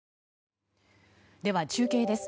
では中継です。